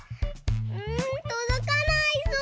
うんとどかないぞう。